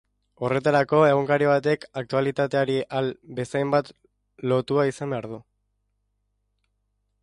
Horretarako, egunkari batek aktualitateari ahal bezainbat lotua izan behar du.